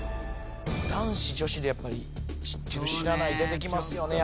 男子女子でやっぱり知ってる知らない出てきますよね